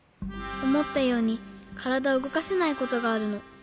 おもったようにからだをうごかせないことがあるの。